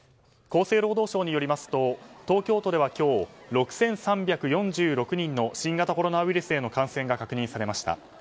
厚生労働省によりますと東京都では今日６３４６人の新型コロナウイルスへの感染が確認されました。